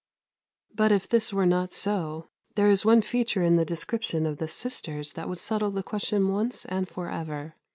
But if this were not so, there is one feature in the description of the sisters that would settle the question once and for ever.